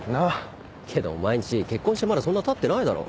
けどお前んち結婚してまだそんなたってないだろ。